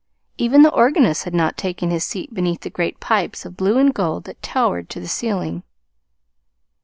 Even the organist had not taken his seat beneath the great pipes of blue and gold that towered to the ceiling.